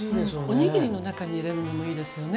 お握りの中に入れるのもいいですよね。